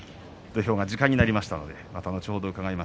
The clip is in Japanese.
土俵が時間になりました。